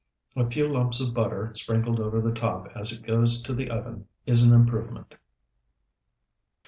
A few lumps of butter sprinkled over the top as it goes to the oven is an improvement.